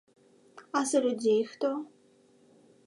А за людзей хто?!